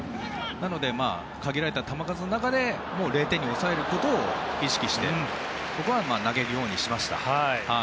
なので、限られた球数の中で０点に抑えることを意識して僕は投げるようにしました。